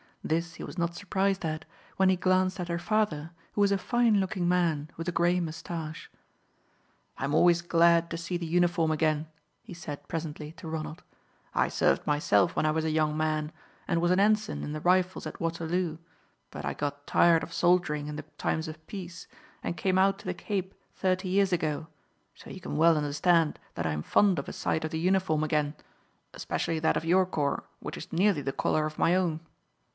This he was not surprised at, when he glanced at her father, who was a fine looking man, with a gray moustache. "I am always glad to see the uniform again," he said, presently, to Ronald. "I served myself when I was a young man, and was an ensign in the Rifles at Waterloo, but I got tired of soldiering in the times of peace, and came out to the Cape thirty years ago, so you can well understand that I am fond of a sight of the uniform again, especially that of your corps, which is nearly the colour of my own.